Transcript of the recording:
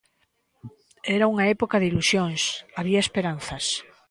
Era unha época de ilusións, había esperanzas.